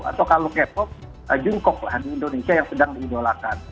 atau kalau k pop jungkok lah di indonesia yang sedang diidolakan